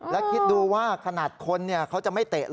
และคิดดูว่าขนาดคนเขาจะไม่เตะเหรอ